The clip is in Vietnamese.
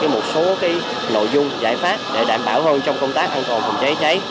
một số nội dung giải pháp để đảm bảo hơn trong công tác an toàn phòng cháy cháy